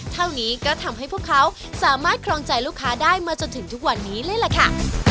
เท่านี้ก็ทำให้พวกเขาสามารถครองใจลูกค้าได้มาจนถึงทุกวันนี้เลยล่ะค่ะ